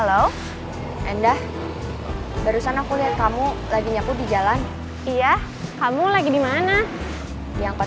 lagi liat apa kerjaan udah beres